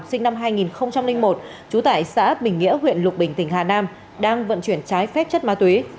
sinh năm hai nghìn một trú tại xã bình nghĩa huyện lục bình tỉnh hà nam đang vận chuyển trái phép chất ma túy